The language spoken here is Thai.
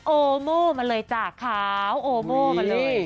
โอโม่มาเลยจ้ะขาวโอโม่มาเลย